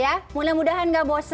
ya mudah mudahan gak bosan